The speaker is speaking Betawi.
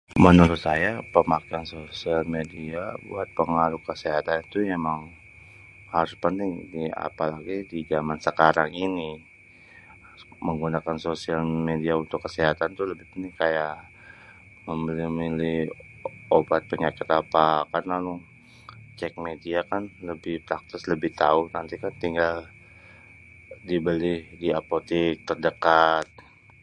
Menurutnya saya pemakaian sosial media buat pengaruh kesehatan tuh ya emang harus penting. Apalagi di jaman sekarang ini. Menggunakan sosial media untuk kesehatan itu lebih penting kayak memilih-milih obat, penyakit apa, kan cek media kan lebih praktis, lebih tau. Nanti kan tinggal dibeli di apotik terdengakat.